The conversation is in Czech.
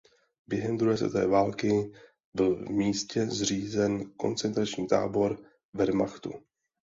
Během druhé světové války byl v místě zřízen koncentrační tábor Wehrmachtu.